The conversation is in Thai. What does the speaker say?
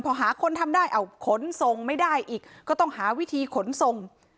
พอหาคนทำได้เอาขนส่งไม่ได้อีกก็ต้องหาวิธีขนส่ง